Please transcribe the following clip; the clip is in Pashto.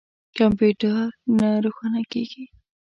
کمپیوټر نه روښانه کیږي